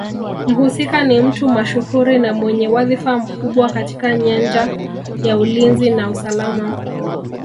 Mhusika ni mtu mashuhuri na mwenye wadhifa mkubwa katika nyanja ya ulinzi na usalama